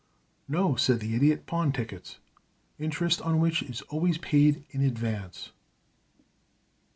"No," said the Idiot; "pawn tickets, interest on which is always paid in advance."